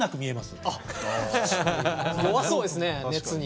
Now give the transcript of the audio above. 弱そうですね熱に。